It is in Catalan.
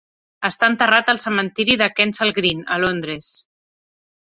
Està enterrat al cementiri de Kensal Green, a Londres.